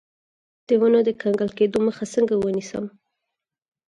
د ونو د کنګل کیدو مخه څنګه ونیسم؟